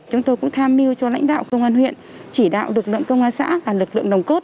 chúng tôi cũng tham mưu cho lãnh đạo công an huyện chỉ đạo lực lượng công an xã và lực lượng nồng cốt